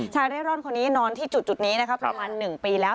ชายเร่ร่อนคนนี้นอนที่จุดนี้ประมาณ๑ปีแล้ว